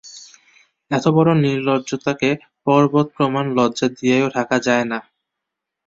এতবড়ো নির্লজ্জতাকে পর্বতপ্রমাণ লজ্জা দিয়াও ঢাকা যায় না।